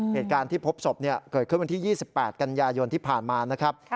เหตุการณ์ที่พบศพเกิดขึ้นวันที่๒๘กันยายนที่ผ่านมานะครับ